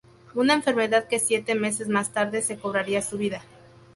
Una enfermedad que siete meses más tarde se cobraría su vida.